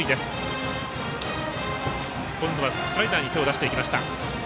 今度はスライダーに手を出していきました。